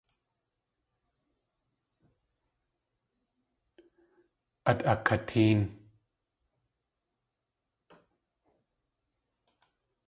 Át akatéen.